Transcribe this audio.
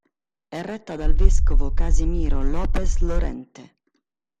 È retta dal vescovo Casimiro López Llorente.